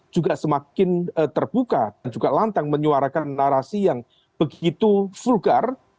juga semakin terbuka dan juga lantang menyuarakan narasi yang begitu vulgar